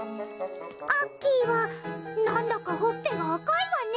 アッキーはなんだかほっぺが赤いわね。